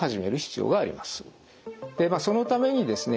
でまあそのためにですね